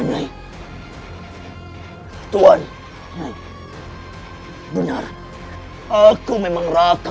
kau itu kakak dari kenting manik